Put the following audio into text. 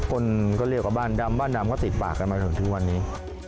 คนก็เรียกว่าบ้านดำบ้านดำก็ติดปากกันมาจนถึงวันนี้